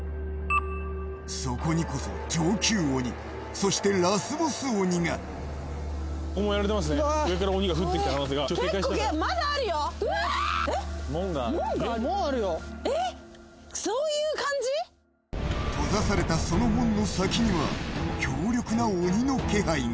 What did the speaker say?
そこにこそ、上級鬼、そしてラスボス鬼が。閉ざされたその門の先には、強力な鬼の気配が。